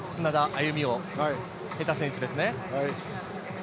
歩みを経た選手ですね。